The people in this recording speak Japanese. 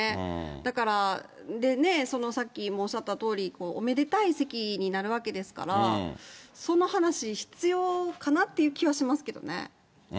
だから、さっきもおっしゃったとおり、おめでたい席になるわけですから、その話必要かなっていう気はしますけどね。